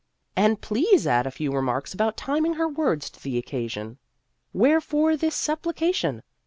And please add a few remarks about timing her words to the occasion. Wherefore this supplication